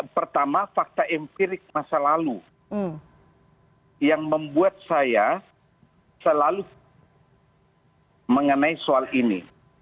pertama fakta empirik masa lalu yang membuat saya selalu mengenai soal ini